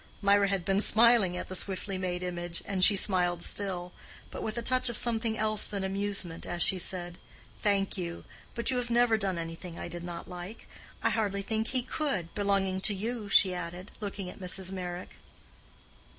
Mirah had been smiling at the swiftly made image, and she smiled still, but with a touch of something else than amusement, as she said—"Thank you. But you have never done anything I did not like. I hardly think he could, belonging to you," she added, looking at Mrs. Meyrick.